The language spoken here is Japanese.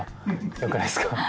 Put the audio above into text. よくないですか？